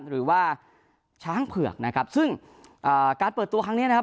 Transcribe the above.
หรือว่าช้างเผือกนะครับซึ่งอ่าการเปิดตัวครั้งนี้นะครับ